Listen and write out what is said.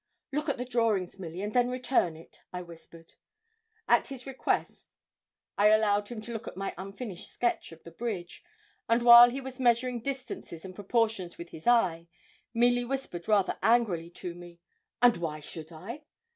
'Look at the drawings, Milly, and then return it,' I whispered. At his request I allowed him to look at my unfinished sketch of the bridge, and while he was measuring distances and proportions with his eye, Milly whispered rather angrily to me. 'And why should I?'